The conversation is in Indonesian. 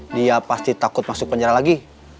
dia pasti takut masuk penjara lagi